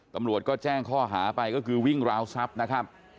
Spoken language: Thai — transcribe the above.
ตำรวจก็แจ้งข้อหาไปก็คือวิ่งราวทรัพย์นะครับ